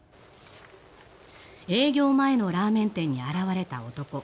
営業前のラーメン店に現れた男。